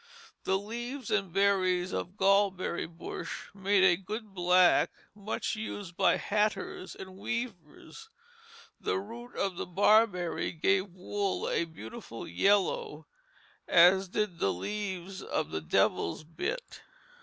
The leaves and berries of gall berry bush made a good black much used by hatters and weavers. The root of the barberry gave wool a beautiful yellow, as did the leaves of the devil's bit.